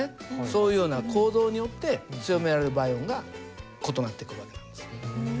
そういうような構造によって強められる倍音が異なってくる訳なんです。